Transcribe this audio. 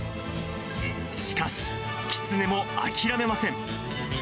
しかし、キツネも諦めません。